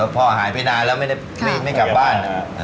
พ่อหายไปนานแล้วไม่ได้กลับบ้าน